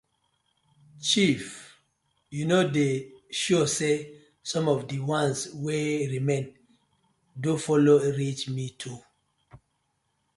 Chief yu no dey sure say som of di ones wey remain do follow reach me too.